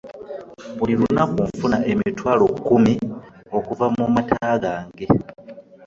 Buli lunaku nfuna emitwalo kkumi okuva mu mata gange.